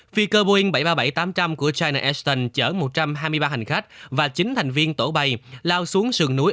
fiker boeing bảy trăm ba mươi bảy tám trăm linh của china eston chở một trăm hai mươi ba hành khách và chín thành viên tổ bay lao xuống sườn núi